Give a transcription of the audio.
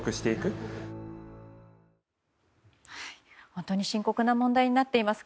本当に深刻な問題になっています。